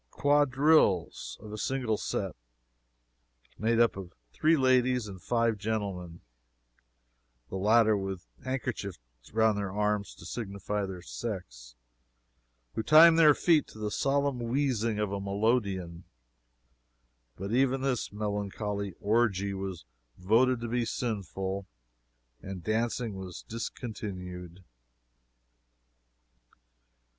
quadrilles, of a single set, made up of three ladies and five gentlemen, (the latter with handkerchiefs around their arms to signify their sex.) who timed their feet to the solemn wheezing of a melodeon; but even this melancholy orgie was voted to be sinful, and dancing was discontinued.